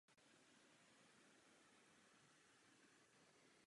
Takový roj není ale bez nevýhod.